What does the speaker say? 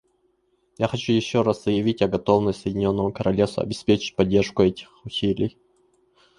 Я хочу еще раз заявить о готовности Соединенного Королевства обеспечить поддержку этих усилий.